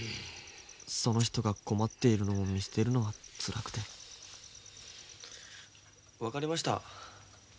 その人が困っているのを見捨てるのはつらくて分かりました。